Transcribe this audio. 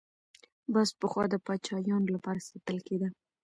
باز پخوا د پاچایانو لپاره ساتل کېده